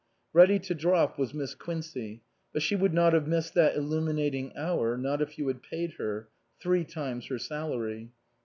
Ready to drop was Miss Quincey, but she would not have missed that illuminating hour, not if you had paid her three times her salary.